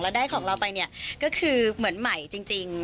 ได้ของเราไปเนี่ยก็คือเหมือนใหม่จริง